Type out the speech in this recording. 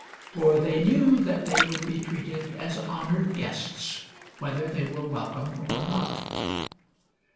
For they knew that they would be treated as hon ored guests, whether they were welcome or not.